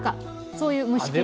そういう虫系？